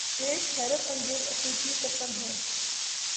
ایک حیرت انگیز آسودگی قسم ہے۔